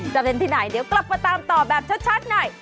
จะเป็นที่ไหนเดี๋ยวกลับมาตามต่อแบบชัดหน่อย